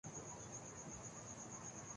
دنیا میں پرند کرنا کوئی قسم پانا جانا ہونا